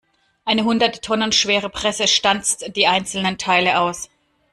Eine hundert Tonnen schwere Presse stanzt die einzelnen Teile aus.